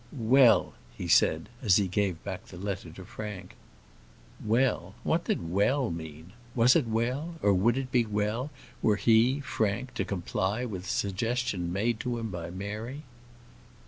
"Well," he said, as he gave back the letter to Frank. Well! what did well mean? Was it well? or would it be well were he, Frank, to comply with the suggestion made to him by Mary?